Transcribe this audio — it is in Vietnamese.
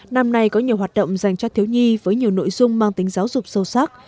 năm nay có nhiều hoạt động dành cho thiếu nhi với nhiều nội dung mang tính giáo dục sâu sắc